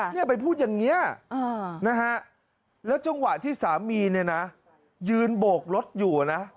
เนี่ยไปพูดอย่างนี้นะฮะแล้วจังหวะที่สามีเนี่ยนะยืนโบกรถอยู่นะ